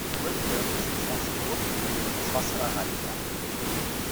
Twin Hills ist aus der Luft und über das Wasser erreichbar.